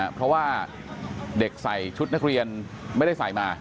เพราะว่าเด็กใส่ชุดนักเรียนไม่ได้ใส่มา